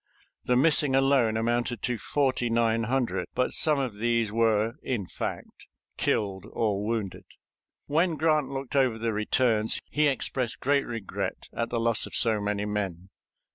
The missing alone amounted to forty nine hundred, but some of these were, in fact, killed or wounded. When Grant looked over the returns, he expressed great regret at the loss of so many men.